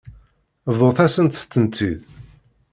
Bḍut-asent-tent-id.